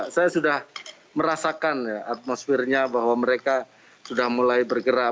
saya sudah merasakan ya atmosfernya bahwa mereka sudah mulai bergerak